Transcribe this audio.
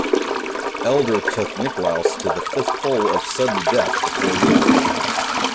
Elder took Nicklaus to the fifth hole of sudden death before losing.